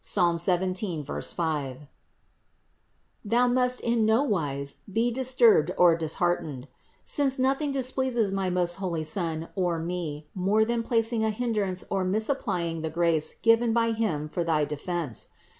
17, 5), thou must in no wise be disturbed or 514 CITY OF GOD disheartened; since nothing displeases my most holy Son or me more than placing a hindrance or misapplying the grace given by Him for thy defense.